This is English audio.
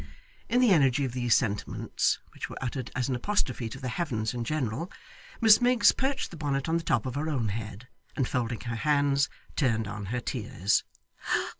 In the energy of these sentiments, which were uttered as an apostrophe to the Heavens in general, Miss Miggs perched the bonnet on the top of her own head, and folding her hands, turned on her tears.